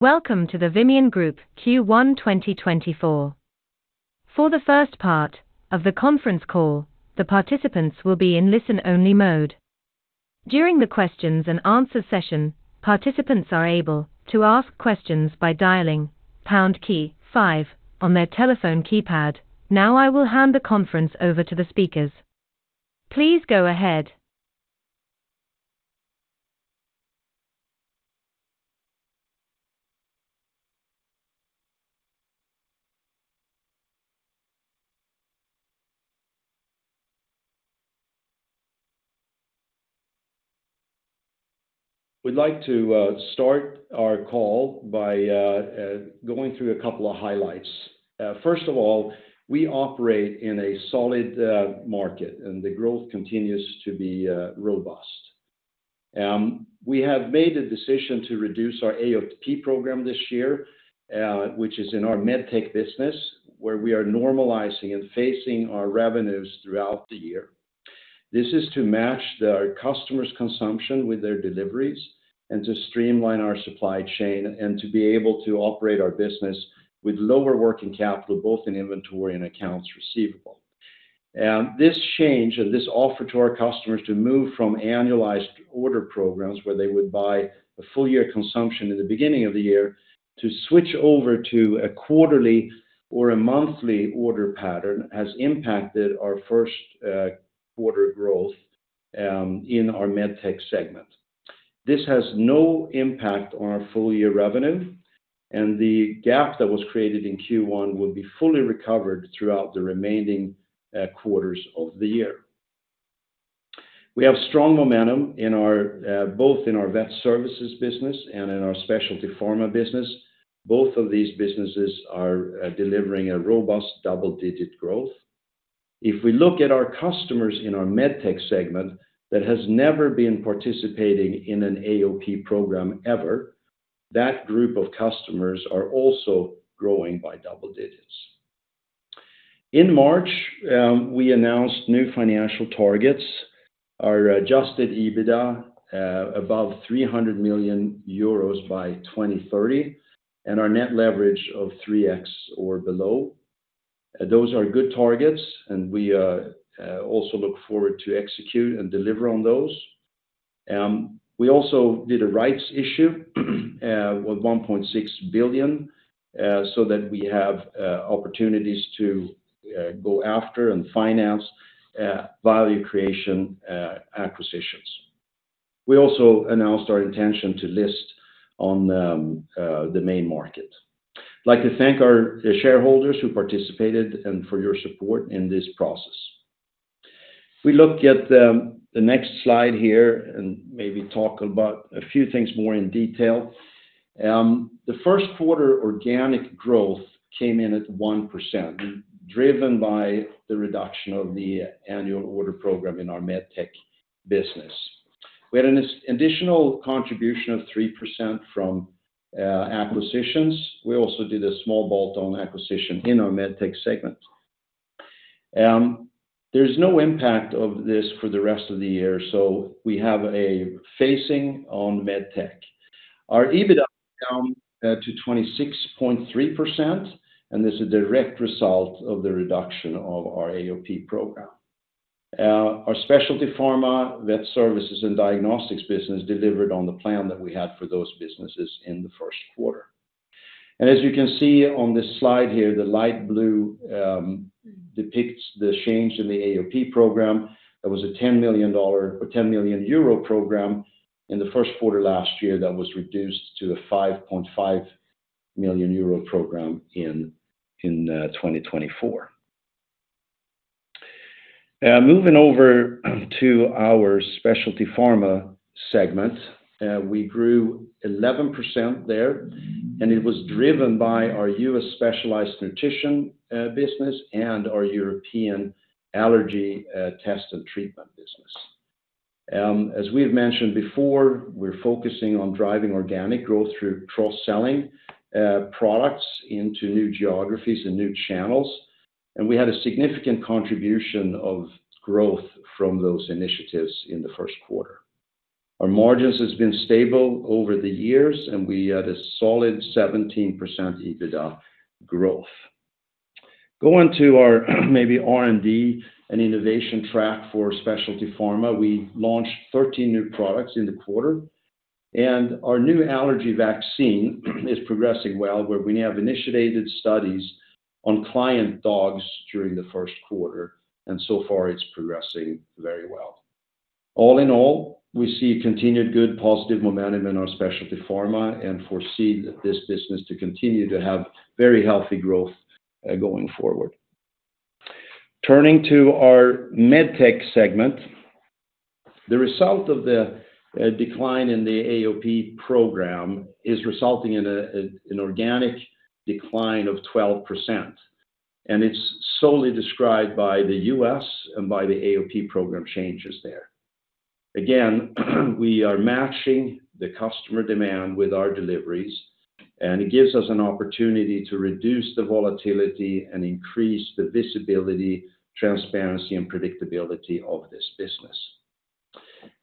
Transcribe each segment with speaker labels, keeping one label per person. Speaker 1: Welcome to the Vimian Group Q1 2024. For the first part of the conference call, the participants will be in listen-only mode. During the questions and answer session, participants are able to ask questions by dialing pound key five on their telephone keypad. Now I will hand the conference over to the speakers. Please go ahead.
Speaker 2: We'd like to start our call by going through a couple of highlights. First of all, we operate in a solid market, and the growth continues to be robust. We have made a decision to reduce our AOP program this year, which is in our MedTech business, where we are normalizing and phasing our revenues throughout the year. This is to match the customers' consumption with their deliveries, and to streamline our supply chain, and to be able to operate our business with lower working capital, both in inventory and accounts receivable. This change and this offer to our customers to move from annual order programs, where they would buy a full year consumption at the beginning of the year, to switch over to a quarterly or a monthly order pattern, has impacted our first quarter growth in our MedTech segment. This has no impact on our full year revenue, and the gap that was created in Q1 will be fully recovered throughout the remaining quarters of the year. We have strong momentum in our both in our Vet Services business and in our Specialty Pharma business. Both of these businesses are delivering a robust double-digit growth. If we look at our customers in our MedTech segment, that has never been participating in an AOP program ever, that group of customers are also growing by double digits. In March, we announced new financial targets, our Adjusted EBITDA above 300 million euros by 2030, and our net leverage of 3x or below. Those are good targets and we are also look forward to execute and deliver on those. We also did a rights issue with 1.6 billion, so that we have opportunities to go after and finance value creation acquisitions. We also announced our intention to list on the main market. I'd like to thank our shareholders who participated and for your support in this process. If we look at the next slide here and maybe talk about a few things more in detail. The first quarter organic growth came in at 1%, driven by the reduction of the annual order program in our MedTech business. We had an additional contribution of 3% from acquisitions. We also did a small bolt-on acquisition in our MedTech segment. There's no impact of this for the rest of the year, so we have a headwind on MedTech. Our EBITDA down to 26.3%, and this is a direct result of the reduction of our AOP program. Our Specialty Pharma, Vet Services and Diagnostics business delivered on the plan that we had for those businesses in the first quarter. As you can see on this slide here, the light blue depicts the change in the AOP program. That was a $10 million or 10 million euro program in the first quarter last year, that was reduced to a 5.5 million euro program in 2024. Moving over to our Specialty Pharma segment, we grew 11% there, and it was driven by our U.S. specialized nutrition business and our European allergy test and treatment business. As we've mentioned before, we're focusing on driving organic growth through cross-selling products into new geographies and new channels, and we had a significant contribution of growth from those initiatives in the first quarter. Our margins has been stable over the years, and we had a solid 17% EBITDA growth. Going to our, maybe R&D and innovation track for Specialty Pharma, we launched 13 new products in the quarter, and our new allergy vaccine is progressing well, where we have initiated studies on client dogs during the first quarter, and so far it's progressing very well. All in all, we see continued good positive momentum in our Specialty Pharma and foresee this business to continue to have very healthy growth going forward. Turning to our MedTech segment, the result of the decline in the AOP program is resulting in an organic decline of 12%, and it's solely described by the U.S. and by the AOP program changes there. Again, we are matching the customer demand with our deliveries, and it gives us an opportunity to reduce the volatility and increase the visibility, transparency, and predictability of this business.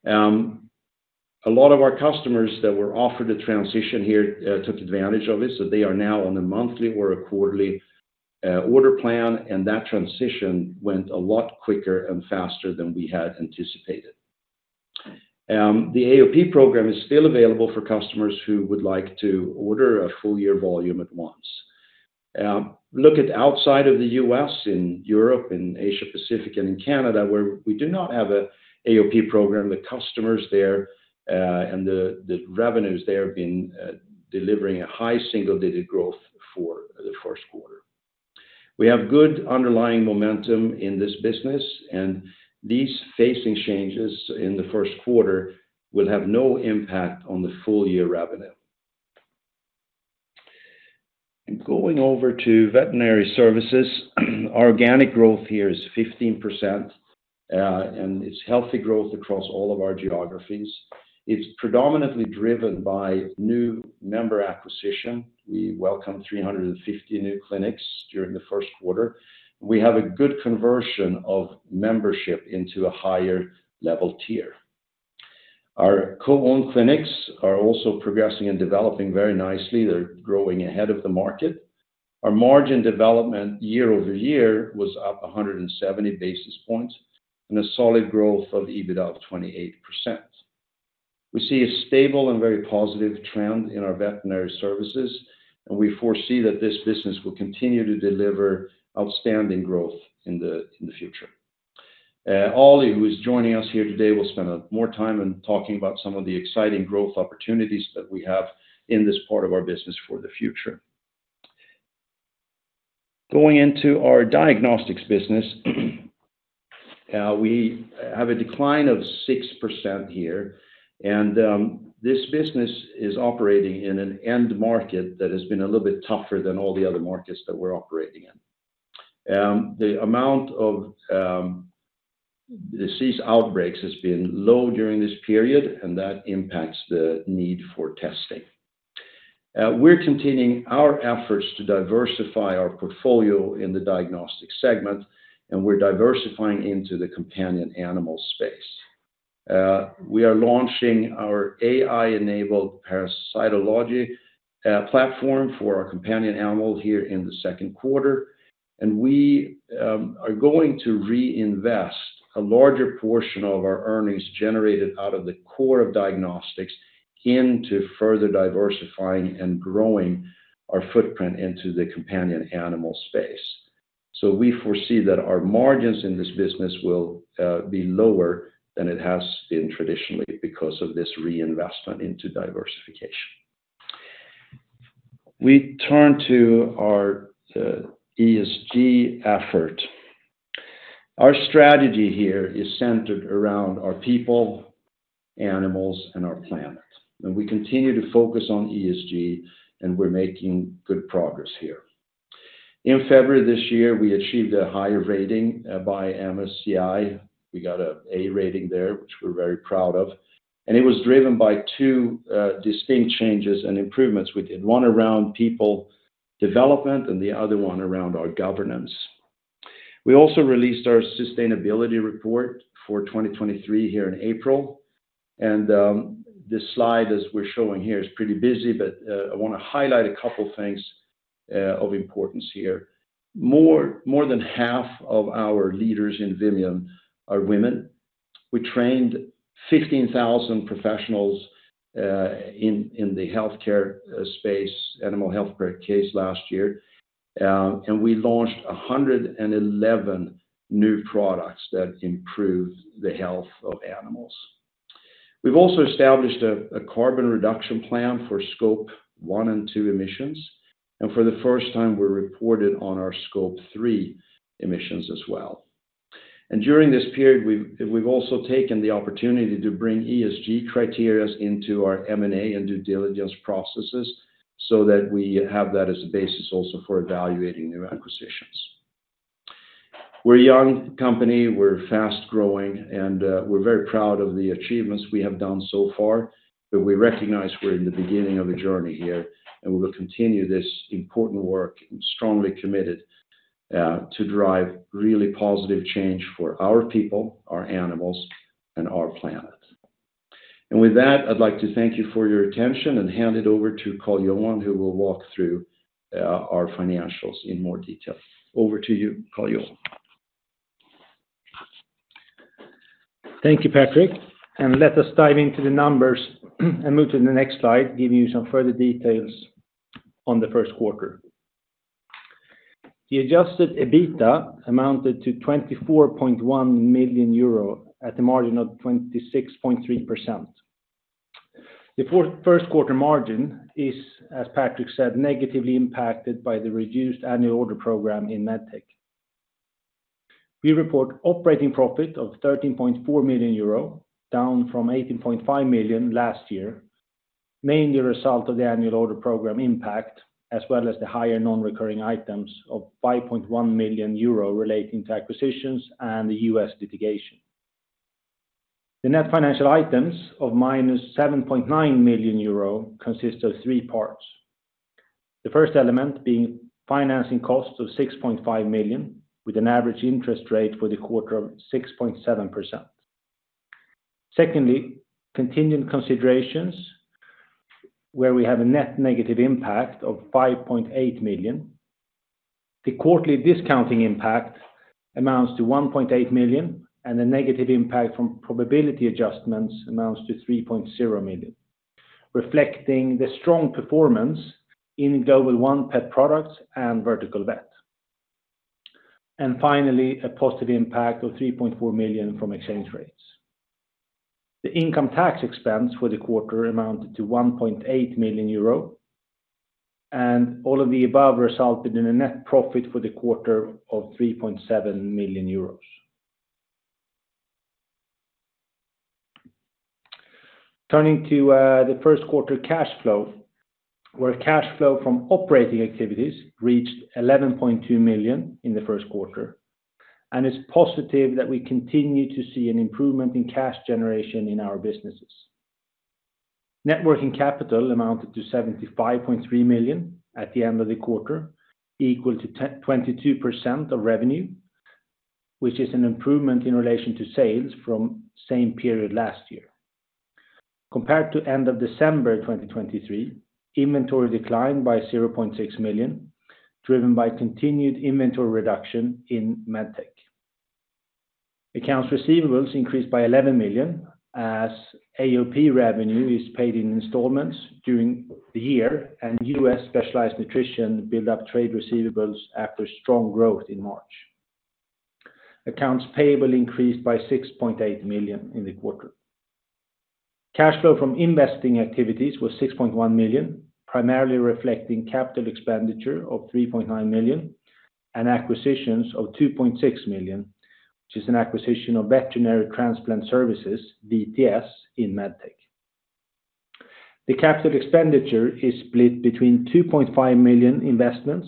Speaker 2: A lot of our customers that were offered the transition here took advantage of it, so they are now on a monthly or a quarterly order plan, and that transition went a lot quicker and faster than we had anticipated. The AOP program is still available for customers who would like to order a full year volume at once. Look outside of the U.S., in Europe, and Asia Pacific, and in Canada, where we do not have a AOP program, the customers there, and the revenues there have been delivering a high single-digit growth for the first quarter. We have good underlying momentum in this business, and these phasing changes in the first quarter will have no impact on the full year revenue. Going over to Veterinary Services, organic growth here is 15%, and it's healthy growth across all of our geographies. It's predominantly driven by new member acquisition. We welcome 350 new clinics during the first quarter. We have a good conversion of membership into a higher level tier. Our co-owned clinics are also progressing and developing very nicely. They're growing ahead of the market. Our margin development year-over-year was up 170 basis points and a solid growth of EBITDA of 28%. We see a stable and very positive trend in our veterinary services, and we foresee that this business will continue to deliver outstanding growth in the, in the future. Ali, who is joining us here today, will spend more time in talking about some of the exciting growth opportunities that we have in this part of our business for the future. Going into our Diagnostics business, we have a decline of 6% here, and this business is operating in an end market that has been a little bit tougher than all the other markets that we're operating in. The amount of disease outbreaks has been low during this period, and that impacts the need for testing. We're continuing our efforts to diversify our portfolio in the diagnostic segment, and we're diversifying into the companion animal space. We are launching our AI enabled parasitology platform for our companion animal here in the second quarter, and we are going to reinvest a larger portion of our earnings generated out of the core of Diagnostics into further diversifying and growing our footprint into the companion animal space. So we foresee that our margins in this business will be lower than it has been traditionally because of this reinvestment into diversification. We turn to our ESG effort. Our strategy here is centered around our people, animals, and our planet, and we continue to focus on ESG, and we're making good progress here. In February this year, we achieved a higher rating by MSCI. We got an A rating there, which we're very proud of, and it was driven by two distinct changes and improvements we did. One around people development, and the other one around our governance. We also released our sustainability report for 2023 here in April, and this slide, as we're showing here, is pretty busy, but I want to highlight a couple of things of importance here. More than half of our leaders in Vimian are women. We trained 15,000 professionals in the healthcare space, animal healthcare space last year, and we launched 111 new products that improve the health of animals. We've also established a carbon reduction plan for Scope 1 and 2 emissions, and for the first time, we reported on our Scope 3 emissions as well. During this period, we've also taken the opportunity to bring ESG criteria into our M&A and due diligence processes so that we have that as a basis also for evaluating new acquisitions. We're a young company, we're fast-growing, and we're very proud of the achievements we have done so far, but we recognize we're in the beginning of a journey here, and we will continue this important work. We're strongly committed to drive really positive change for our people, our animals, and our planet. And with that, I'd like to thank you for your attention and hand it over to Carl-Johan, who will walk through our financials in more detail. Over to you, Carl-Johan.
Speaker 3: Thank you, Patrik, and let us dive into the numbers and move to the next slide, give you some further details on the first quarter. The adjusted EBITDA amounted to 24.1 million euro at a margin of 26.3%. The first quarter margin is, as Patrik said, negatively impacted by the reduced Annual Order Program in MedTech. We report operating profit of 13.4 million euro, down from 18.5 million last year, mainly a result of the Annual Order Program impact, as well as the higher non-recurring items of 5.1 million euro relating to acquisitions and the U.S. litigation. The net financial items of -7.9 million euro consists of three parts. The first element being financing costs of 6.5 million, with an average interest rate for the quarter of 6.7%. Secondly, contingent considerations, where we have a net negative impact of 5.8 million. The quarterly discounting impact amounts to 1.8 million, and the negative impact from probability adjustments amounts to 3.0 million, reflecting the strong performance in Global One Pet Products and Vertical Vet. And finally, a positive impact of 3.4 million from exchange rates. The income tax expense for the quarter amounted to 1.8 million euro, and all of the above resulted in a net profit for the quarter of 3.7 million euros. Turning to, the first quarter cash flow, where cash flow from operating activities reached 11.2 million in the first quarter, and it's positive that we continue to see an improvement in cash generation in our businesses. Net working capital amounted to 75.3 million at the end of the quarter, equal to 22% of revenue, which is an improvement in relation to sales from same period last year. Compared to end of December 2023, inventory declined by 0.6 million, driven by continued inventory reduction in MedTech. Accounts receivables increased by 11 million as AOP revenue is paid in installments during the year, and U.S. specialized nutrition build up trade receivables after strong growth in March. Accounts payable increased by 6.8 million in the quarter. Cash flow from investing activities was 6.1 million, primarily reflecting capital expenditure of 3.9 million and acquisitions of 2.6 million, which is an acquisition of Veterinary Transplant Services, VTS, in MedTech. The capital expenditure is split between 2.5 million investments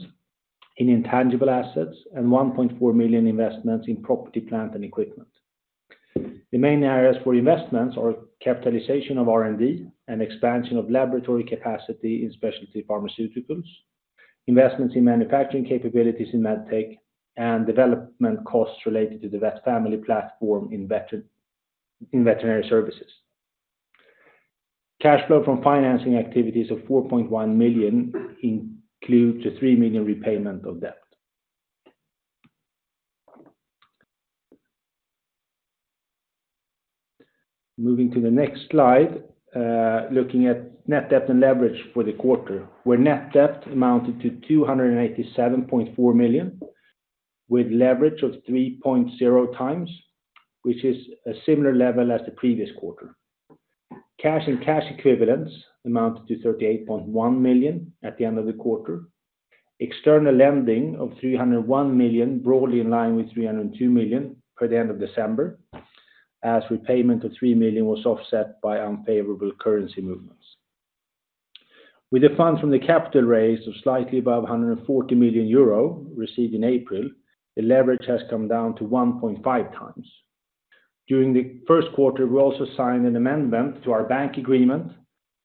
Speaker 3: in intangible assets and 1.4 million investments in property, plant, and equipment. The main areas for investments are capitalization of R&D and expansion of laboratory capacity in Specialty Pharmaceuticals, investments in manufacturing capabilities in MedTech, and development costs related to the VetFamily platform in veterinary services. Cash flow from financing activities of 4.1 million include the 3 million repayment of debt. Moving to the next slide, looking at net debt and leverage for the quarter, where net debt amounted to 287.4 million, with leverage of 3.0x, which is a similar level as the previous quarter. Cash and cash equivalents amounted to 38.1 million at the end of the quarter. External lending of 301 million, broadly in line with 302 million for the end of December, as repayment of 3 million was offset by unfavorable currency movements. With the funds from the capital raise of slightly above 140 million euro received in April, the leverage has come down to 1.5 times. During the first quarter, we also signed an amendment to our bank agreement,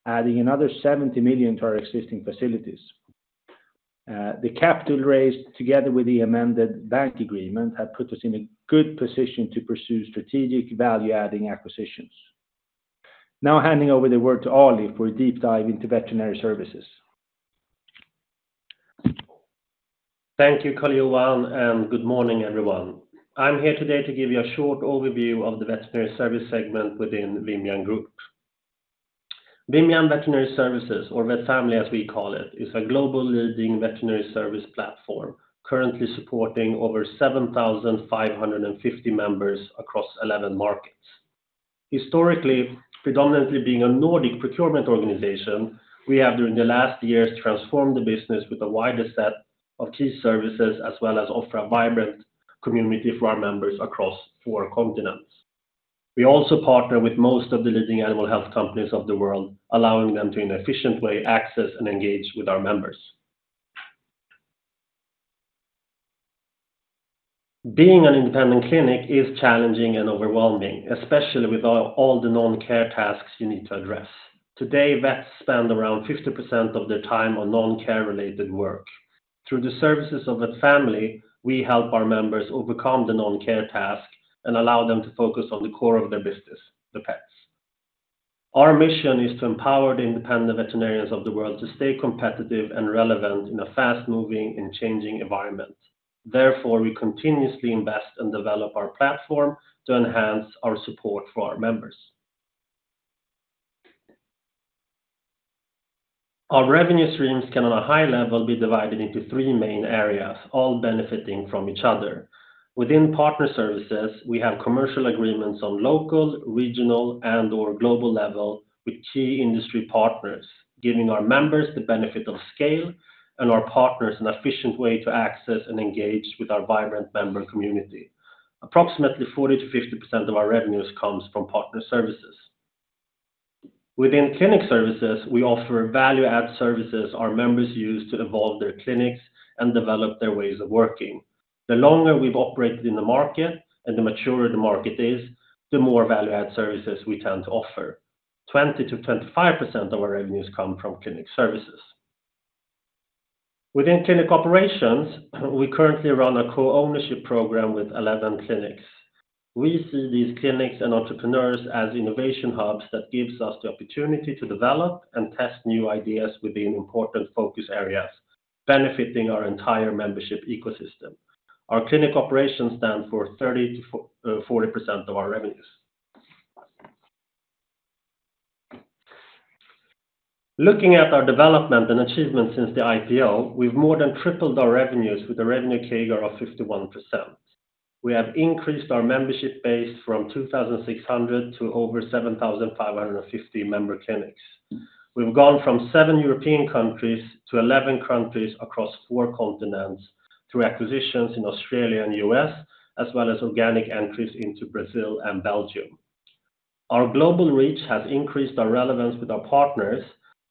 Speaker 3: adding another 70 million to our existing facilities. The capital raised, together with the amended bank agreement, have put us in a good position to pursue strategic value-adding acquisitions. Now, handing over the word to Ali for a deep dive into veterinary services.
Speaker 4: Thank you, Carl-Johan, and good morning, everyone. I'm here today to give you a short overview of the veterinary service segment within Vimian Group. Vimian Veterinary Services, or VetFamily, as we call it, is a global leading veterinary service platform, currently supporting over 7,550 members across 11 markets. Historically, predominantly being a Nordic procurement organization, we have, during the last years, transformed the business with a wider set of key services, as well as offer a vibrant community for our members across four continents. We also partner with most of the leading animal health companies of the world, allowing them to, in efficient way, access and engage with our members. Being an independent clinic is challenging and overwhelming, especially with all the non-care tasks you need to address. Today, vets spend around 50% of their time on non-care-related work. Through the services of VetFamily, we help our members overcome the non-care task and allow them to focus on the core of their business, the pets. Our mission is to empower the independent veterinarians of the world to stay competitive and relevant in a fast-moving and changing environment. Therefore, we continuously invest and develop our platform to enhance our support for our members. Our revenue streams can, on a high level, be divided into three main areas, all benefiting from each other. Within partner services, we have commercial agreements on local, regional, and/or global level with key industry partners, giving our members the benefit of scale and our partners an efficient way to access and engage with our vibrant member community. Approximately 40%-50% of our revenues comes from partner services. Within clinic services, we offer value-add services our members use to evolve their clinics and develop their ways of working. The longer we've operated in the market and the matured the market is, the more value-add services we tend to offer. 20%-25% of our revenues come from clinic services. Within clinic operations, we currently run a co-ownership program with 11 clinics. We see these clinics and entrepreneurs as innovation hubs that gives us the opportunity to develop and test new ideas within important focus areas, benefiting our entire membership ecosystem. Our clinic operations stand for 30%-40% of our revenues. Looking at our development and achievements since the IPO, we've more than tripled our revenues with a revenue CAGR of 51%. We have increased our membership base from 2,600 to over 7,550 member clinics. We've gone from seven European countries to 11 countries across four continents, through acquisitions in Australia and U.S., as well as organic entries into Brazil and Belgium. Our global reach has increased our relevance with our partners,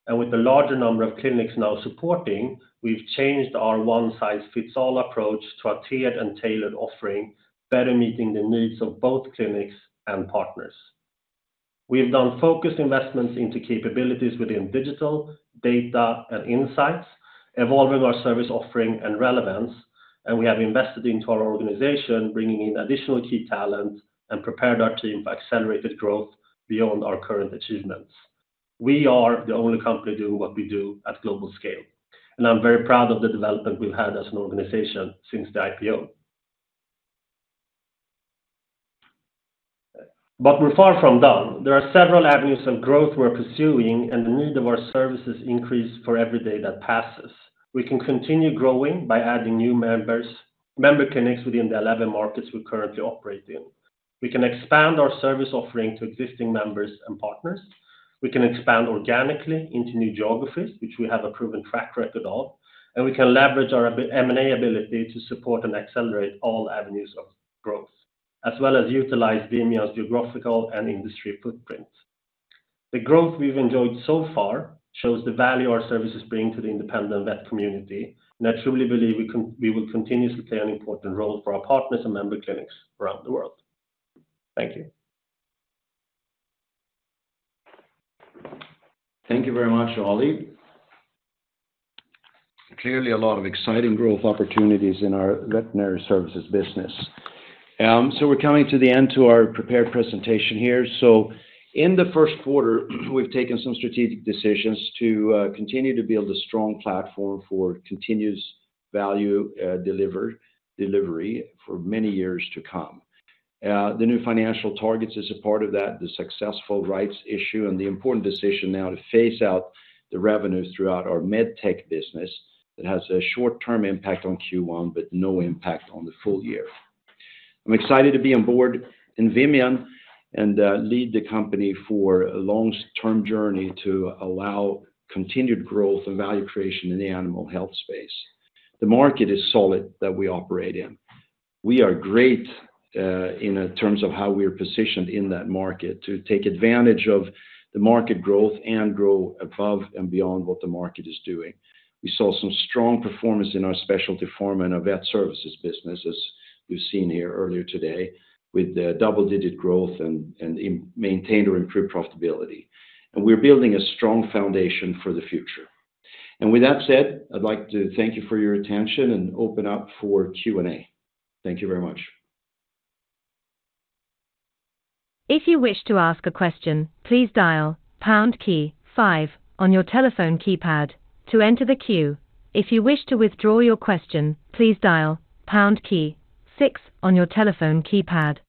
Speaker 4: and with the larger number of clinics now supporting, we've changed our one-size-fits-all approach to a tiered and tailored offering, better meeting the needs of both clinics and partners. We have done focused investments into capabilities within digital, data, and insights, evolving our service offering and relevance, and we have invested into our organization, bringing in additional key talent and prepared our team for accelerated growth beyond our current achievements. We are the only company doing what we do at global scale, and I'm very proud of the development we've had as an organization since the IPO. But we're far from done. There are several avenues of growth we're pursuing, and the need of our services increase for every day that passes. We can continue growing by adding new members, member clinics within the 11 markets we currently operate in. We can expand our service offering to existing members and partners. We can expand organically into new geographies, which we have a proven track record of, and we can leverage our M&A ability to support and accelerate all avenues of growth, as well as utilize Vimian's geographical and industry footprint. The growth we've enjoyed so far shows the value our services bring to the independent vet community, and I truly believe we will continuously play an important role for our partners and member clinics around the world. Thank you.
Speaker 2: Thank you very much, Ali. Clearly, a lot of exciting growth opportunities in our Veterinary Services business. So we're coming to the end of our prepared presentation here. So in the first quarter, we've taken some strategic decisions to continue to build a strong platform for continuous value delivery for many years to come. The new financial targets is a part of that, the successful rights issue and the important decision now to phase out the revenues throughout our MedTech business. It has a short-term impact on Q1, but no impact on the full year. I'm excited to be on board in Vimian and lead the company for a long-term journey to allow continued growth and value creation in the animal health space. The market is solid that we operate in. We are great in terms of how we are positioned in that market to take advantage of the market growth and grow above and beyond what the market is doing. We saw some strong performance in our Specialty Pharma and our Vet Services business, as we've seen here earlier today, with the double-digit growth and maintained or improved profitability. We're building a strong foundation for the future. And with that said, I'd like to thank you for your attention and open up for Q&A. Thank you very much.
Speaker 1: If you wish to ask a question, please dial pound key five on your telephone keypad to enter the queue. If you wish to withdraw your question, please dial pound key six on your telephone keypad.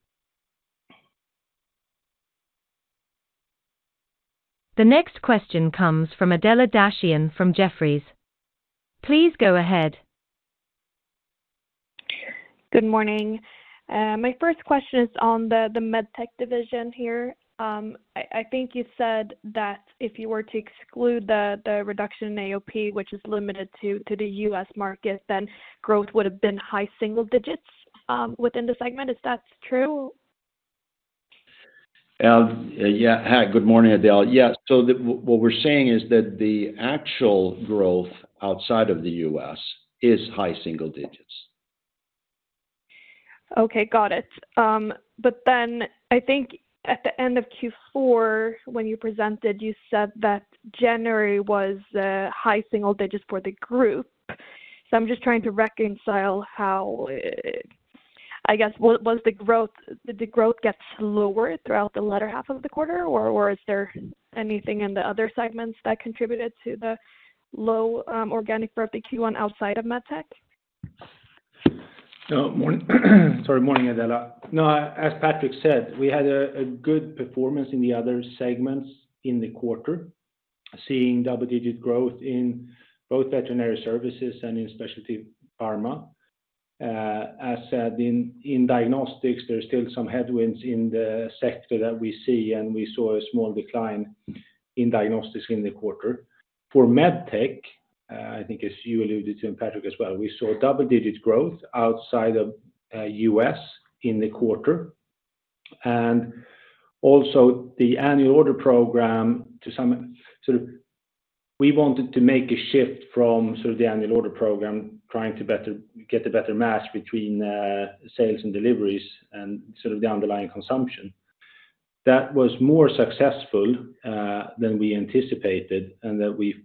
Speaker 1: The next question comes from Adela Dashian from Jefferies. Please go ahead.
Speaker 5: Good morning. My first question is on the MedTech division here. I think you said that if you were to exclude the reduction in AOP, which is limited to the U.S. market, then growth would have been high single digits within the segment. Is that true?
Speaker 2: Yeah. Hi, good morning, Adela. Yeah, so what we're saying is that the actual growth outside of the U.S. is high single digits.
Speaker 5: Okay, got it. But then I think at the end of Q4, when you presented, you said that January was high single digits for the group. So I'm just trying to reconcile how, I guess, was the growth, did the growth get slower throughout the latter half of the quarter, or is there anything in the other segments that contributed to the low organic growth in Q1 outside of MedTech?
Speaker 4: Morning. Sorry, morning, Adela. No, as Patrik said, we had a good performance in the other segments in the quarter, seeing double-digit growth in both Veterinary Services and in Specialty Pharma. As said, in Diagnostics, there are still some headwinds in the sector that we see, and we saw a small decline in Diagnostics in the quarter. For MedTech, I think as you alluded to, and Patrik as well, we saw double-digit growth outside of U.S. in the quarter. And also the annual order program to some sort of, we wanted to make a shift from sort of the annual order program, trying to better get a better match between sales and deliveries and sort of the underlying consumption. That was more successful than we anticipated and that we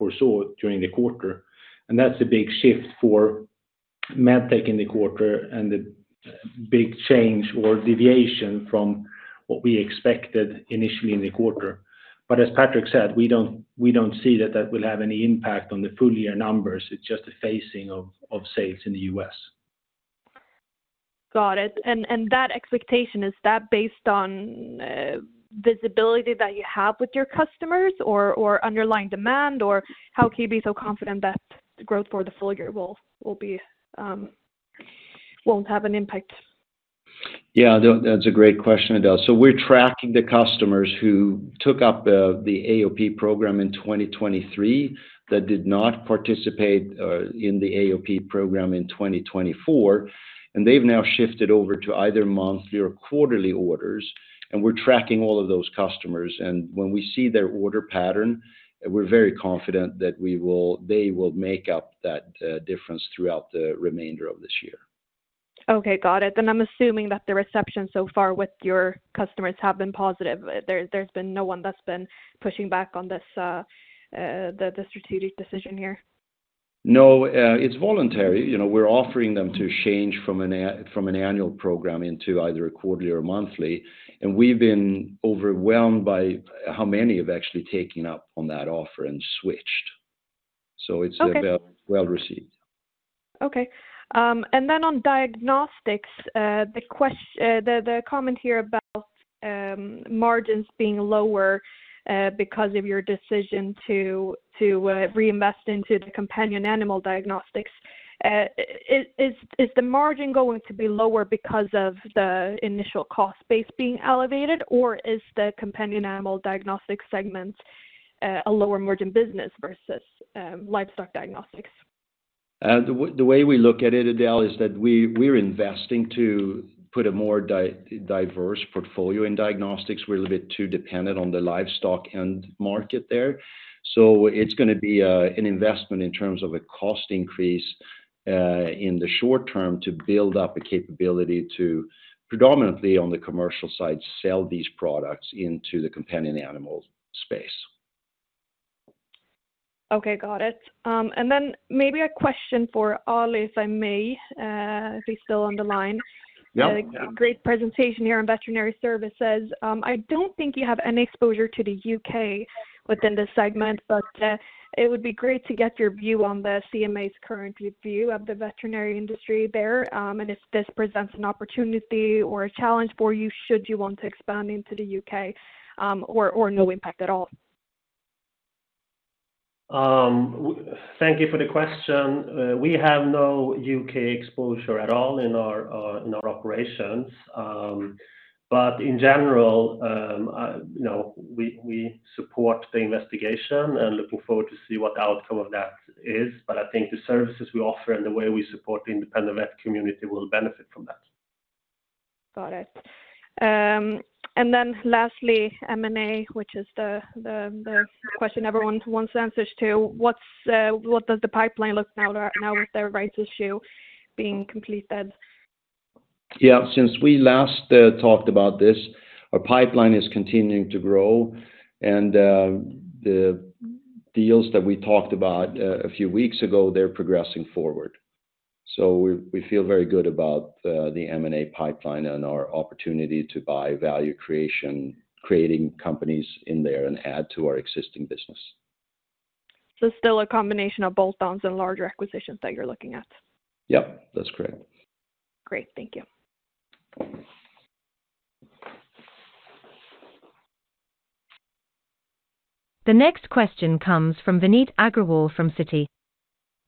Speaker 4: foresaw during the quarter. And that's a big shift for MedTech in the quarter and the big change or deviation from what we expected initially in the quarter. But as Patrik said, we don't, we don't see that that will have any impact on the full year numbers. It's just a phasing of sales in the U.S.
Speaker 5: Got it. And that expectation, is that based on visibility that you have with your customers or underlying demand, or how can you be so confident that the growth for the full year will be won't have an impact?
Speaker 2: Yeah, that's a great question, Adela. So we're tracking the customers who took up the AOP program in 2023, that did not participate in the AOP program in 2024, and they've now shifted over to either monthly or quarterly orders, and we're tracking all of those customers. And when we see their order pattern, we're very confident that we will—they will make up that difference throughout the remainder of this year.
Speaker 5: Okay, got it. Then I'm assuming that the reception so far with your customers have been positive. There, there's been no one that's been pushing back on this, the strategic decision here?
Speaker 2: No, it's voluntary. You know, we're offering them to change from an annual program into either a quarterly or monthly. And we've been overwhelmed by how many have actually taken up on that offer and switched.
Speaker 5: Okay.
Speaker 2: It's well, well received.
Speaker 5: Okay. And then on Diagnostics, the comment here about margins being lower because of your decision to reinvest into the companion animal Diagnostics. Is the margin going to be lower because of the initial cost base being elevated, or is the companion animal diagnostic segment a lower margin business versus livestock Diagnostics?
Speaker 2: The way we look at it, Adela, is that we, we're investing to put a more diverse portfolio in Diagnostics. We're a little bit too dependent on the livestock end market there. So it's gonna be an investment in terms of a cost increase in the short term, to build up a capability to predominantly, on the commercial side, sell these products into the companion animal space.
Speaker 5: Okay, got it. Then maybe a question for Ali, if I may, if he's still on the line.
Speaker 4: Yeah.
Speaker 2: Yeah.
Speaker 5: Great presentation here on veterinary services. I don't think you have any exposure to the U.K. within this segment, but it would be great to get your view on the CMA's current view of the veterinary industry there, and if this presents an opportunity or a challenge for you, should you want to expand into the U.K., or no impact at all?
Speaker 4: Thank you for the question. We have no U.K. exposure at all in our operations. But in general, you know, we support the investigation and looking forward to see what the outcome of that is. But I think the services we offer and the way we support the independent vet community will benefit from that.
Speaker 5: Got it. And then lastly, M&A, which is the question everyone wants answers to. What does the pipeline look like now with the rights issue being completed?
Speaker 2: Yeah, since we last talked about this, our pipeline is continuing to grow, and the deals that we talked about a few weeks ago, they're progressing forward. So we feel very good about the M&A pipeline and our opportunity to buy value creation, creating companies in there and add to our existing business.
Speaker 5: So still a combination of bolt-ons and larger acquisitions that you're looking at?
Speaker 2: Yep, that's correct.
Speaker 5: Great. Thank you.
Speaker 1: The next question comes from Vineet Agarwal from Citi.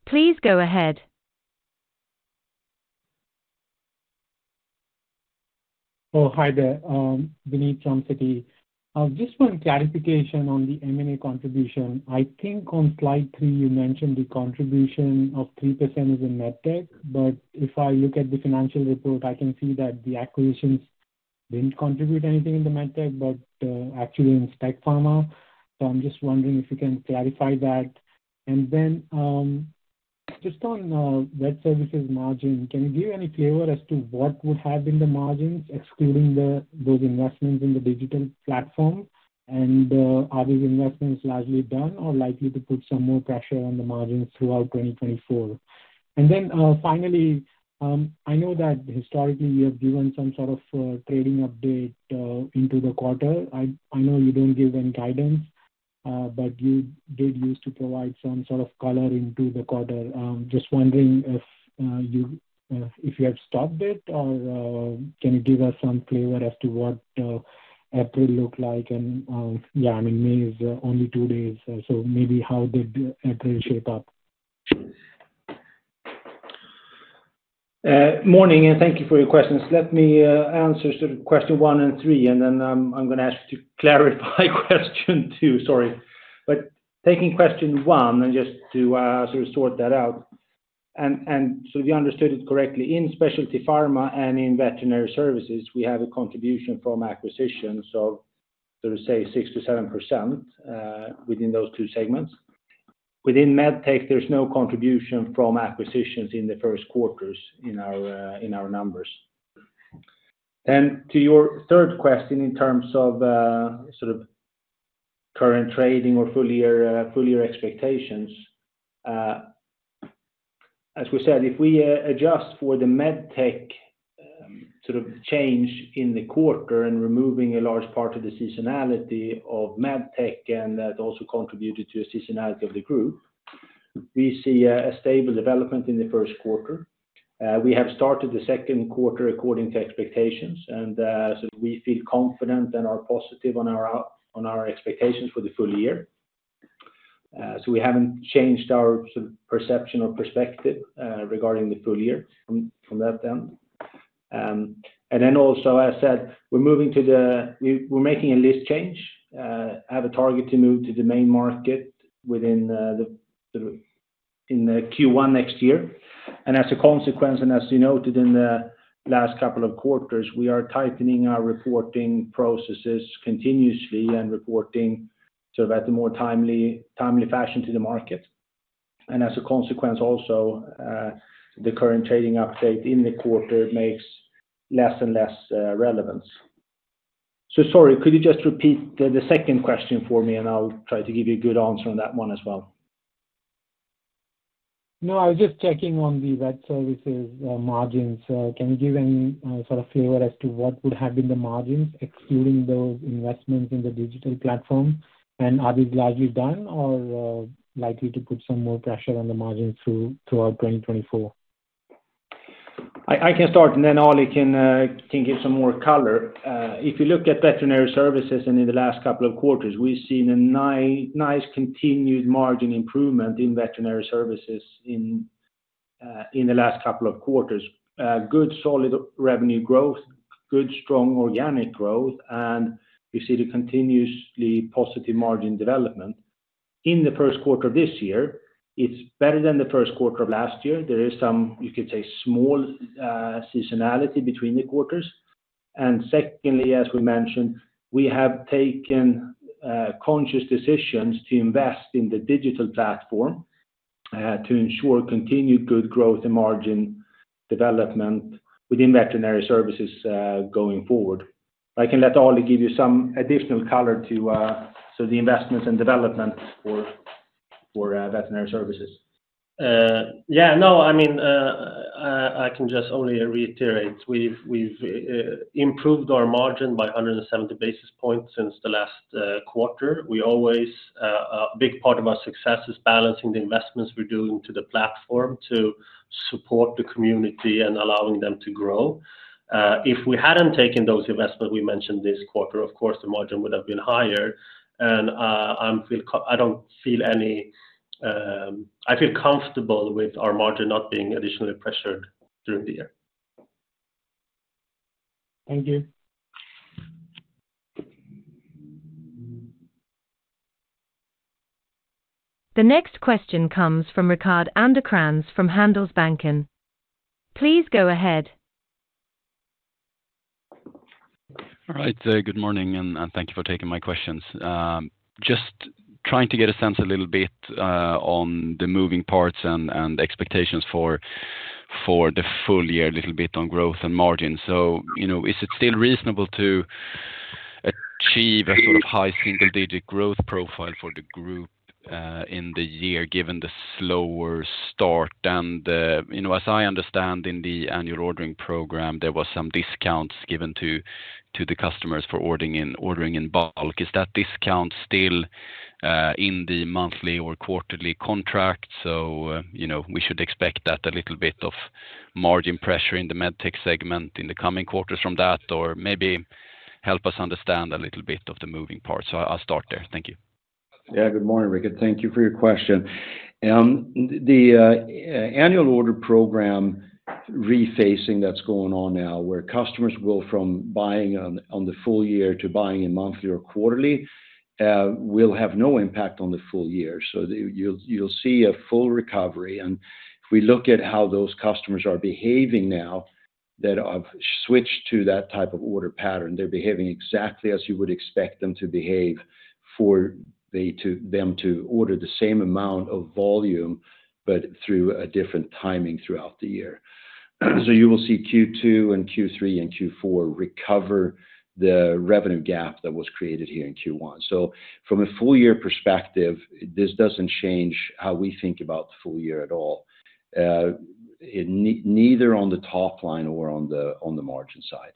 Speaker 1: Please go ahead.
Speaker 6: Oh, hi there, Vineet from Citi. Just one clarification on the M&A contribution. I think on slide three, you mentioned the contribution of 3% is in MedTech, but if I look at the financial report, I can see that the acquisitions didn't contribute anything in the MedTech, but actually in Specialty Pharma. So I'm just wondering if you can clarify that. And then, just on Vet Services margin, can you give any flavor as to what would have been the margins, excluding those investments in the digital platform? And, are those investments largely done or likely to put some more pressure on the margins throughout 2024? And then, finally, I know that historically you have given some sort of trading update into the quarter. I know you don't give any guidance, but you did used to provide some sort of color into the quarter. Just wondering if you have stopped it or can you give us some flavor as to what April looked like? And yeah, I mean, May is only two days, so maybe how did April shape up?
Speaker 3: Morning, and thank you for your questions. Let me answer sort of question one and three, and then I'm gonna ask you to clarify question two, sorry. But taking question one, and just to sort that out. So we understood it correctly, in Specialty Pharma and in Veterinary Services, we have a contribution from acquisitions of, sort of, say, 6%-7% within those two segments. Within MedTech, there's no contribution from acquisitions in the first quarters in our numbers. Then to your third question, in terms of, sort of current trading or full year, full year expectations, as we said, if we adjust for the MedTech, sort of change in the quarter and removing a large part of the seasonality of MedTech, and that also contributed to a seasonality of the group, we see a stable development in the first quarter. We have started the second quarter according to expectations, and so we feel confident and are positive on our expectations for the full year. So we haven't changed our sort of perception or perspective regarding the full year from that end. And then also, as I said, we're making a listing change, have a target to move to the main market within the Q1 next year. And as a consequence, and as you noted in the last couple of quarters, we are tightening our reporting processes continuously and reporting so that the more timely fashion to the market. And as a consequence also, the current trading update in the quarter makes less and less relevance. So sorry, could you just repeat the second question for me, and I'll try to give you a good answer on that one as well?
Speaker 6: No, I was just checking on the Vet Services margins. Can you give any sort of flavor as to what would have been the margins, excluding those investments in the digital platform? And are these largely done or likely to put some more pressure on the margins throughout 2024?
Speaker 3: I can start, and then Ali can give some more color. If you look at Veterinary Services and in the last couple of quarters, we've seen a nice continued margin improvement in Veterinary Services in the last couple of quarters. Good, solid revenue growth, good, strong organic growth, and we see the continuously positive margin development. In the first quarter this year, it's better than the first quarter of last year. There is some, you could say, small seasonality between the quarters. And secondly, as we mentioned, we have taken conscious decisions to invest in the digital platform to ensure continued good growth and margin development within Veterinary Services going forward. I can let Ali give you some additional color to so the investments and development for Veterinary Services.
Speaker 4: Yeah, no, I mean, I can just only reiterate, we've improved our margin by 170 basis points since the last quarter. We always, a big part of our success is balancing the investments we're doing to the platform to support the community and allowing them to grow. If we hadn't taken those investments we mentioned this quarter, of course, the margin would have been higher, and, I don't feel any... I feel comfortable with our margin not being additionally pressured during the year.
Speaker 6: Thank you.
Speaker 1: The next question comes from Rickard Anderkrans from Handelsbanken. Please go ahead.
Speaker 7: All right, good morning, and thank you for taking my questions. Just trying to get a sense a little bit on the moving parts and expectations for the full year, a little bit on growth and margin. So, you know, is it still reasonable to achieve a sort of high single-digit growth profile for the group in the year, given the slower start? And, you know, as I understand in the Annual Order Program, there was some discounts given to the customers for ordering in bulk. Is that discount still in the monthly or quarterly contract? So, you know, we should expect that a little bit of margin pressure in the MedTech segment in the coming quarters from that, or maybe help us understand a little bit of the moving parts. So I'll start there. Thank you.
Speaker 2: Yeah, good morning, Rickard. Thank you for your question. The Annual Order Program rephasing that's going on now, where customers go from buying on, on the full year to buying in monthly or quarterly, will have no impact on the full year. So you'll, you'll see a full recovery. And if we look at how those customers are behaving now, that have switched to that type of order pattern, they're behaving exactly as you would expect them to behave for them to order the same amount of volume, but through a different timing throughout the year. So you will see Q2 and Q3 and Q4 recover the revenue gap that was created here in Q1. From a full year perspective, this doesn't change how we think about the full year at all, neither on the top line or on the margin side.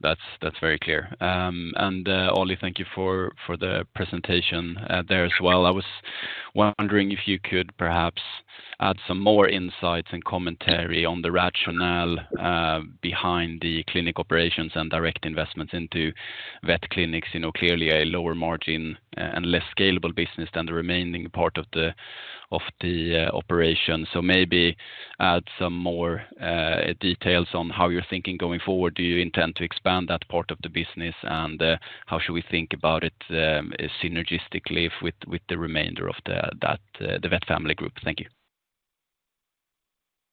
Speaker 7: That's very clear. And Ali, thank you for the presentation there as well. I was wondering if you could perhaps add some more insights and commentary on the rationale behind the clinic operations and direct investments into vet clinics. You know, clearly a lower margin and less scalable business than the remaining part of the operation. So maybe add some more details on how you're thinking going forward. Do you intend to expand that part of the business? And how should we think about it synergistically with the remainder of the VetFamily Group? Thank you.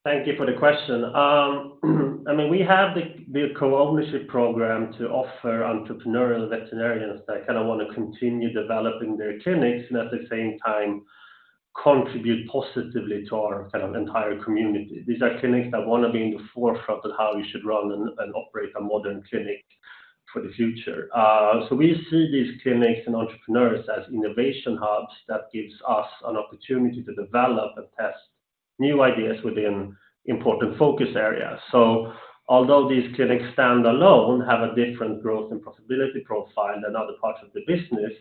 Speaker 4: Thank you for the question. I mean, we have the co-ownership program to offer entrepreneurial veterinarians that kind of want to continue developing their clinics, and at the same time contribute positively to our kind of entire community. These are clinics that want to be in the forefront of how you should run and operate a modern clinic for the future. So we see these clinics and entrepreneurs as innovation hubs that gives us an opportunity to develop and test new ideas within important focus areas. So although these clinics stand alone, have a different growth and profitability profile than other parts of the business,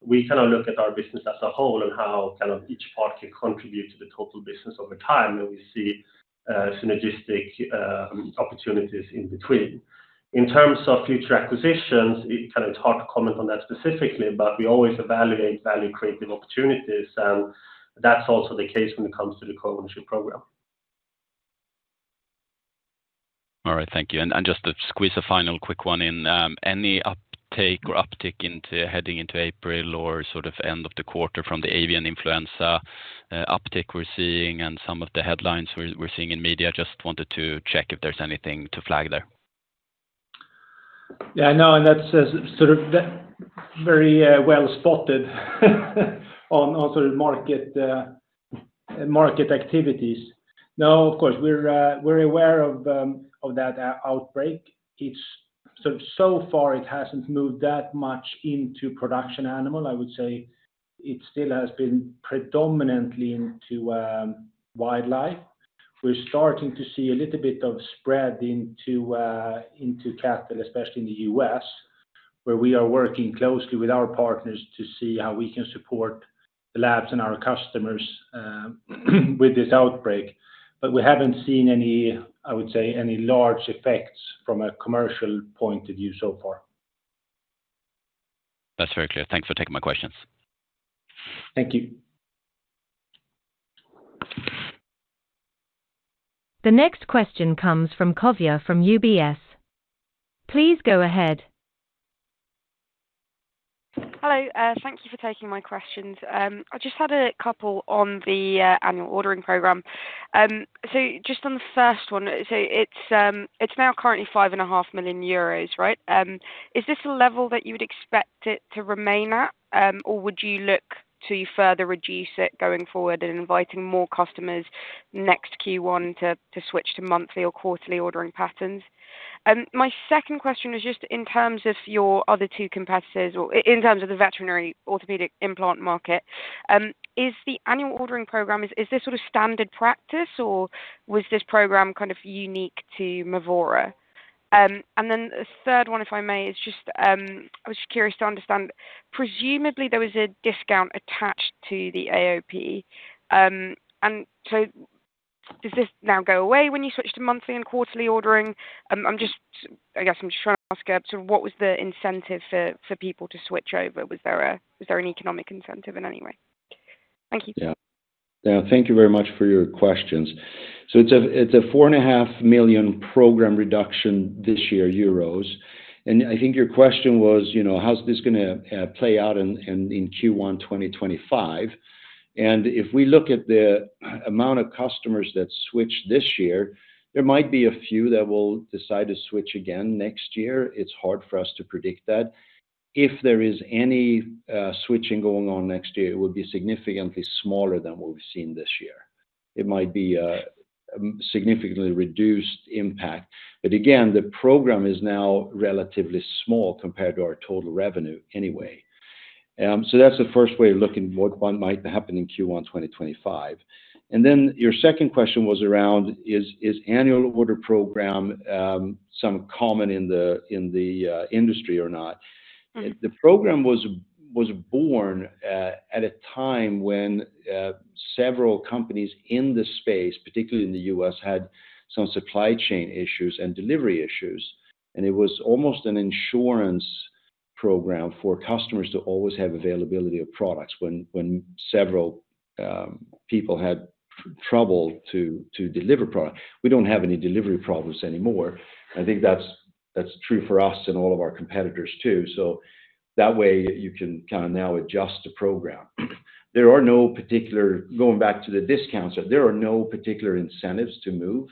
Speaker 4: we kind of look at our business as a whole and how kind of each part can contribute to the total business over time, and we see synergistic opportunities in between. In terms of future acquisitions, it's kind of hard to comment on that specifically, but we always evaluate value-creating opportunities, and that's also the case when it comes to the co-ownership program.
Speaker 7: All right, thank you. And just to squeeze a final quick one in, any uptake or uptick heading into April or sort of end of the quarter from the avian influenza uptick we're seeing and some of the headlines we're seeing in media? Just wanted to check if there's anything to flag there.
Speaker 4: Yeah, I know, and that's sort of very well spotted on all sort of market market activities. No, of course, we're aware of that outbreak. It's so far it hasn't moved that much into production animal. I would say it still has been predominantly into wildlife. We're starting to see a little bit of spread into into cattle, especially in the U.S., where we are working closely with our partners to see how we can support the labs and our customers with this outbreak. But we haven't seen any, I would say, any large effects from a commercial point of view so far.
Speaker 7: That's very clear. Thanks for taking my questions.
Speaker 4: Thank you.
Speaker 1: The next question comes from Kavya from UBS. Please go ahead.
Speaker 8: Hello, thank you for taking my questions. I just had a couple on the annual order program. So just on the first one, so it's now currently 5.5 million euros, right? Is this a level that you would expect it to remain at, or would you look to further reduce it going forward and inviting more customers next Q1 to switch to monthly or quarterly ordering patterns? My second question is just in terms of your other two competitors or in terms of the veterinary orthopedic implant market, is the annual order program is this sort of standard practice, or was this program kind of unique to Movora? And then the third one, if I may, is just I was curious to understand, presumably there was a discount attached to the AOP. And so does this now go away when you switch to monthly and quarterly ordering? I'm just, I guess I'm just trying to ask, so what was the incentive for people to switch over? Was there an economic incentive in any way? Thank you.
Speaker 2: Yeah. Yeah, thank you very much for your questions. So it's a 4.5 million program reduction this year. And I think your question was, you know, how is this gonna play out in Q1 2025? And if we look at the amount of customers that switched this year, there might be a few that will decide to switch again next year. It's hard for us to predict that. If there is any switching going on next year, it would be significantly smaller than what we've seen this year. It might be a significantly reduced impact, but again, the program is now relatively small compared to our total revenue anyway. So that's the first way of looking at what might happen in Q1 2025. And then your second question was around is Annual Order Program some common in the industry or not? The program was born at a time when several companies in this space, particularly in the U.S., had some supply chain issues and delivery issues, and it was almost an insurance program for customers to always have availability of products when several people had trouble to deliver product. We don't have any delivery problems anymore. I think that's true for us and all of our competitors too, so that way you can kind of now adjust the program. There are no particular incentives to move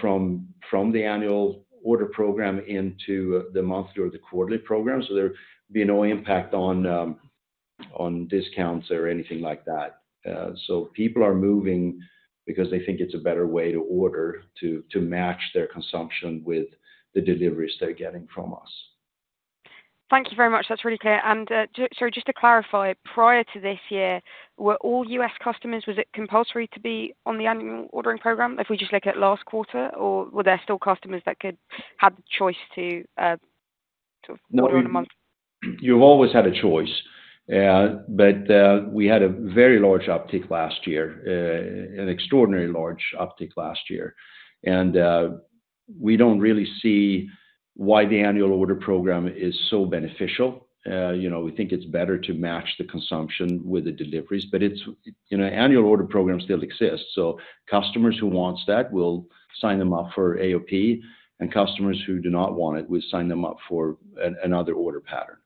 Speaker 2: from the Annual Order Program into the monthly or the quarterly program, so there'd be no impact on discounts or anything like that. So people are moving because they think it's a better way to order, to match their consumption with the deliveries they're getting from us.
Speaker 8: Thank you very much. That's really clear. And so just to clarify, prior to this year, were all U.S. customers, was it compulsory to be on the annual ordering program, if we just look at last quarter, or were there still customers that could have the choice to to order on a month?
Speaker 2: You've always had a choice, but we had a very large uptick last year, an extraordinary large uptick last year. And we don't really see why the annual order program is so beneficial. You know, we think it's better to match the consumption with the deliveries, but it's, you know, annual order program still exists, so customers who wants that, we'll sign them up for AOP, and customers who do not want it, we sign them up for another order pattern.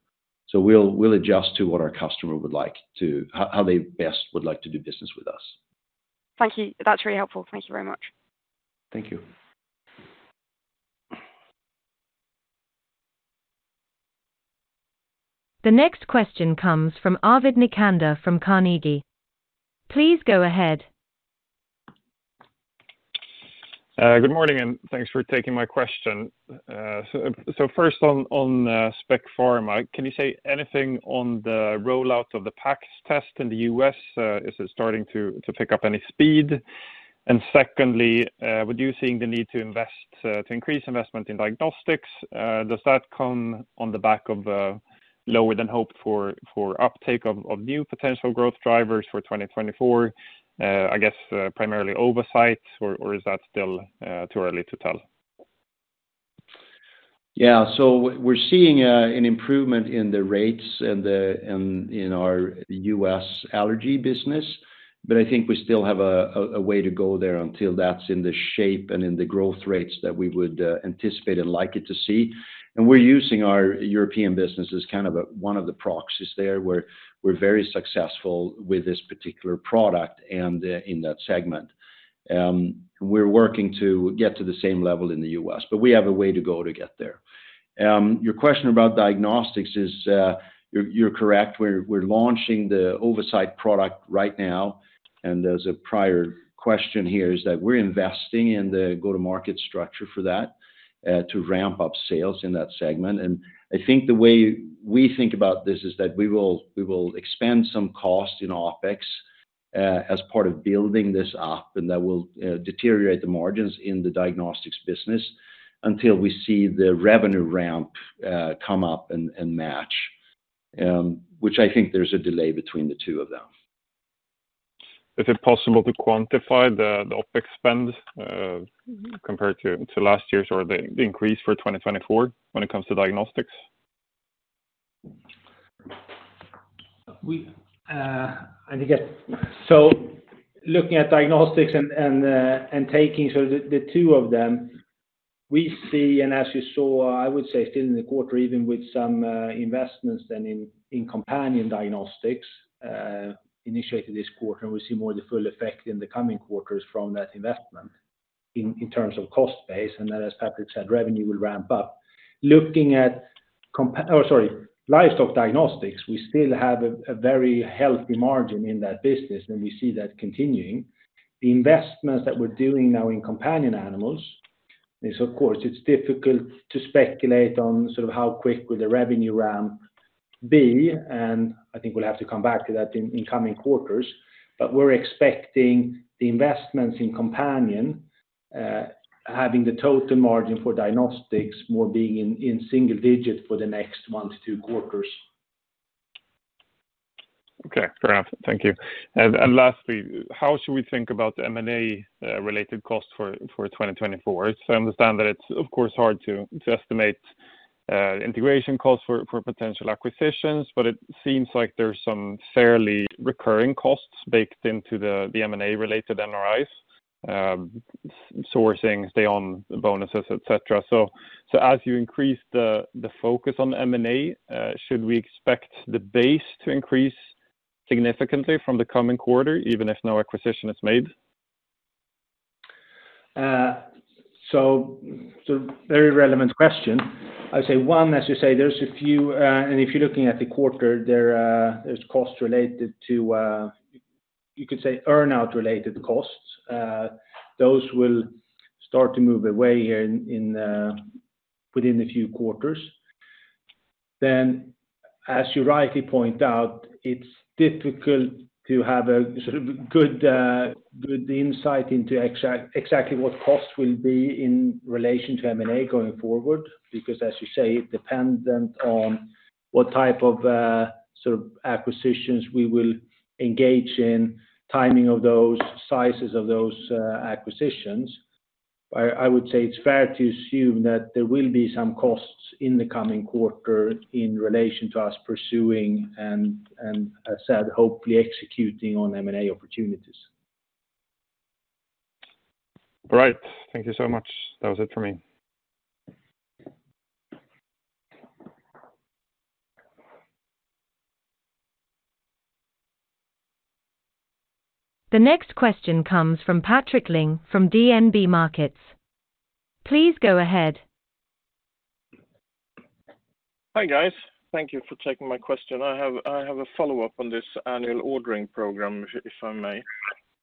Speaker 2: So we'll adjust to what our customer would like to how they best would like to do business with us.
Speaker 8: Thank you. That's really helpful. Thank you very much.
Speaker 2: Thank you.
Speaker 1: The next question comes from Arvid Nikander from Carnegie. Please go ahead.
Speaker 9: Good morning, and thanks for taking my question. So, so first on, on, Specialty Pharma, can you say anything on the rollout of the PAX test in the U.S? Is it starting to, to pick up any speed? And secondly, would you seeing the need to invest, to increase investment in Diagnostics, does that come on the back of, lower than hoped for, for uptake of, of new potential growth drivers for 2024, I guess, primarily Ovacyte, or, or is that still, too early to tell?
Speaker 2: Yeah. So we're seeing an improvement in the rates in our U.S. allergy business, but I think we still have a way to go there until that's in the shape and in the growth rates that we would anticipate and like to see. And we're using our European business as kind of one of the proxies there, where we're very successful with this particular product and in that segment. We're working to get to the same level in the U.S., but we have a way to go to get there. Your question about Diagnostics is, you're correct. We're launching the Ovacyte product right now, and there's a prior question here, is that we're investing in the go-to-market structure for that to ramp up sales in that segment. I think the way we think about this is that we will expand some cost in OpEx as part of building this up, and that will deteriorate the margins in the Diagnostics business until we see the revenue ramp come up and match, which I think there's a delay between the two of them.
Speaker 9: Is it possible to quantify the OpEx spend compared to last year's or the increase for 2024 when it comes to Diagnostics?
Speaker 3: I think, so looking at Diagnostics and taking the two of them, we see, and as you saw, I would say still in the quarter, even with some investments in companion Diagnostics initiated this quarter, and we see more of the full effect in the coming quarters from that investment in terms of cost base, and then, as Patrik said, revenue will ramp up. Looking at compa-- or sorry, livestock Diagnostics, we still have a very healthy margin in that business, and we see that continuing. The investments that we're doing now in companion animals is, of course, it's difficult to speculate on sort of how quick will the revenue ramp be, and I think we'll have to come back to that in coming quarters. We're expecting the investments in companion having the total margin for Diagnostics more being in single digits for the next one-two quarters.
Speaker 9: Okay, fair enough. Thank you. And lastly, how should we think about the M&A related costs for 2024? I understand that it's, of course, hard to estimate integration costs for potential acquisitions, but it seems like there's some fairly recurring costs baked into the M&A-related NRIs, sourcing, stay-on bonuses, et cetera. So as you increase the focus on M&A, should we expect the base to increase significantly from the coming quarter, even if no acquisition is made?
Speaker 3: So very relevant question. I'd say, one, as you say, there's a few, and if you're looking at the quarter, there's costs related to, you could say, earn-out related costs. Those will start to move away here in within a few quarters. Then, as you rightly point out, it's difficult to have a sort of good insight into exactly what costs will be in relation to M&A going forward, because, as you say, it dependent on what type of sort of acquisitions we will engage in, timing of those, sizes of those, acquisitions. I would say it's fair to assume that there will be some costs in the coming quarter in relation to us pursuing and as said, hopefully executing on M&A opportunities.
Speaker 9: All right. Thank you so much. That was it for me.
Speaker 1: The next question comes from Patrik Ling from DNB Markets. Please go ahead.
Speaker 10: Hi, guys. Thank you for taking my question. I have a follow-up on this annual ordering program, if I may.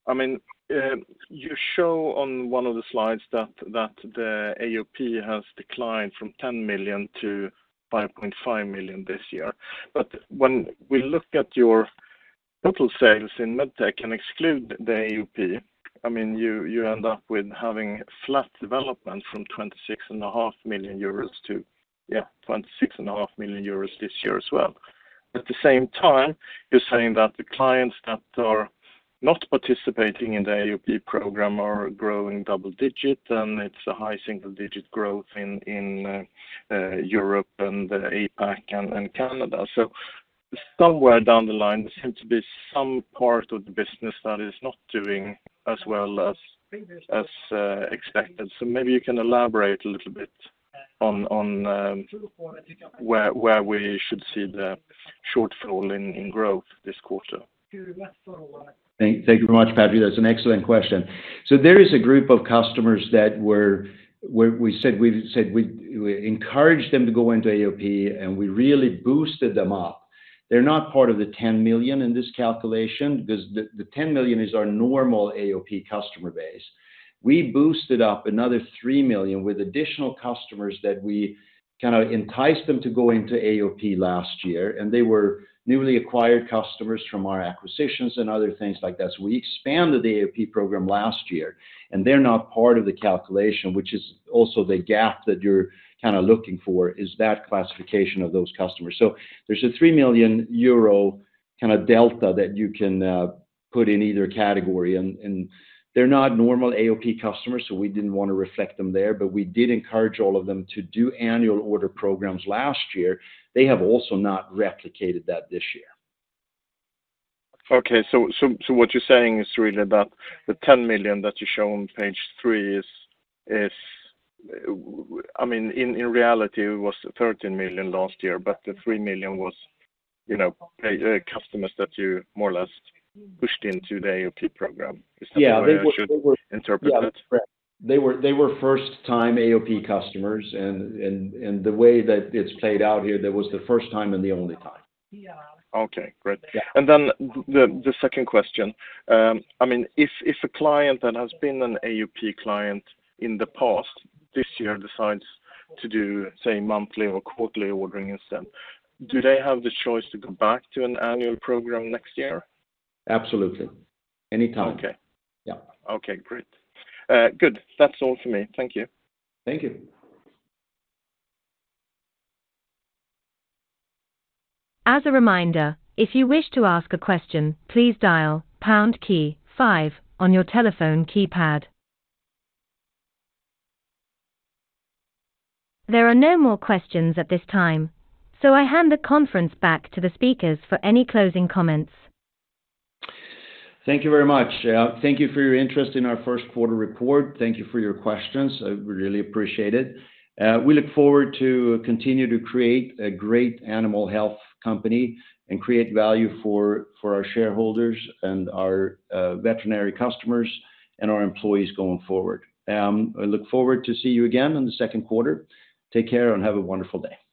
Speaker 10: I mean, you show on one of the slides that the AOP has declined from 10 million-5.5 million this year. But when we look at your total sales in MedTech and exclude the AOP, I mean, you end up with having flat development from 26.5 million euros to, yeah, 26.5 million euros this year as well. At the same time, you're saying that the clients that are not participating in the AOP program are growing double-digit, and it's a high single-digit growth in Europe and APAC and Canada. Somewhere down the line, there seems to be some part of the business that is not doing as well as expected. So maybe you can elaborate a little bit on where we should see the shortfall in growth this quarter?
Speaker 2: Thank you very much, Fabio. That's an excellent question. So there is a group of customers where we said we encouraged them to go into AOP, and we really boosted them up. They're not part of the 10 million in this calculation because the 10 million is our normal AOP customer base. We boosted up another 3 million with additional customers that we kind of enticed them to go into AOP last year, and they were newly acquired customers from our acquisitions and other things like that. So we expanded the AOP program last year, and they're not part of the calculation, which is also the gap that you're kind of looking for, is that classification of those customers. So there's a 3 million euro kind of delta that you can put in either category, and they're not normal AOP customers, so we didn't want to reflect them there, but we did encourage all of them to do annual order programs last year. They have also not replicated that this year.
Speaker 10: Okay, so what you're saying is really that the 10 million that you show on Page 3 is, I mean, in reality, it was 13 million last year, but the 3 million was, you know, customers that you more or less pushed into the AOP program.
Speaker 2: Yeah.
Speaker 10: Is that how I should interpret that?
Speaker 2: Yeah, that's correct. They were first-time AOP customers, and the way that it's played out here, that was the first time and the only time.
Speaker 10: Okay, great.
Speaker 2: Yeah.
Speaker 10: And then the second question, I mean, if a client that has been an AOP client in the past, this year decides to do, say, monthly or quarterly ordering instead, do they have the choice to go back to an annual program next year?
Speaker 2: Absolutely. Anytime.
Speaker 10: Okay.
Speaker 2: Yeah.
Speaker 10: Okay, great. Good. That's all for me. Thank you.
Speaker 2: Thank you.
Speaker 1: As a reminder, if you wish to ask a question, please dial pound key five on your telephone keypad. There are no more questions at this time, so I hand the conference back to the speakers for any closing comments.
Speaker 2: Thank you very much. Thank you for your interest in our first quarter report. Thank you for your questions. I really appreciate it. We look forward to continue to create a great animal health company and create value for, for our shareholders and our veterinary customers, and our employees going forward. I look forward to see you again in the second quarter. Take care and have a wonderful day.